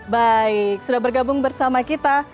baik sudah bergabung bersama kita